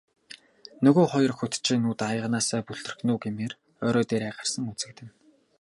Нөгөө хоёр хөтчийн нүд аяганаасаа бүлтрэх нь үү гэмээр орой дээрээ гарсан үзэгдэнэ.